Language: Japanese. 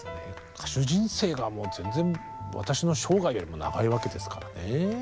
歌手人生がもう全然私の生涯よりも長いわけですからね。